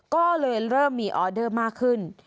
ก็เลยเริ่มมีออเดอร์มากขึ้น